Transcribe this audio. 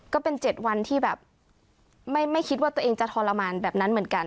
ก็เป็น๗วันที่แบบไม่คิดว่าตัวเองจะทรมานแบบนั้นเหมือนกัน